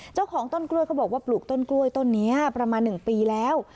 เจ้าของต้นกล้วยเขาบอกว่าปลูกต้นกล้วยต้นนี้ประมาณ๑ปีแล้ว